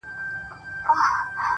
• د کلو خمار وهلي تشوي به پیالې خپلي ,